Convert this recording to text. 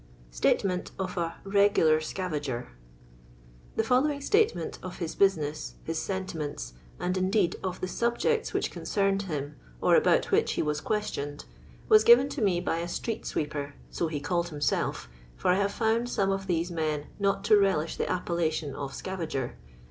StATEVSVT of a '^RlOU&lB SOAYAOIB." Thi following statement of his business, his sentiments, and, indeed, of the subjects which concerned him, or about which he was questioned, was given to me by a street sweeper, so he called himself, for I have found some of these men not to relish the appellation of '' scavager."